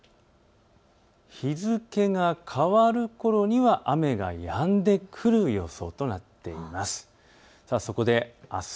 日付が変わるころには雨がやんでくる予想となっています。